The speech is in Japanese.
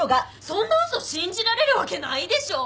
そんな嘘信じられるわけないでしょ？